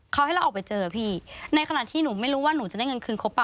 เขาให้เราออกไปเจอพี่ในขณะที่หนูไม่รู้ว่าหนูจะได้เงินคืนครบป่